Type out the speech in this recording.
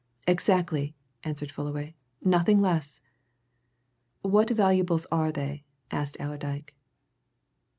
"Exactly!" answered Fullaway. "Nothing less!" "What valuables are they?" asked Allerdyke.